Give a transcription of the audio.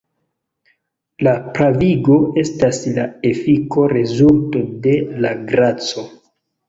La pravigo estas la efiko-rezulto de la graco.